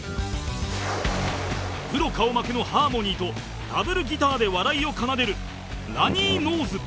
プロ顔負けのハーモニーとダブルギターで笑いを奏でるラニーノーズ